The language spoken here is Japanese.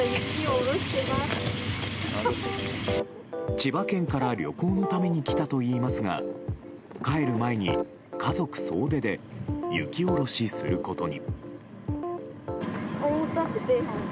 千葉県から旅行のために来たといいますが帰る前に、家族総出で雪下ろしすることに。